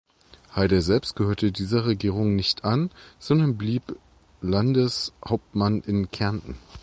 Haider selbst gehörte dieser Regierung nicht an, sondern blieb Landeshauptmann in Kärnten.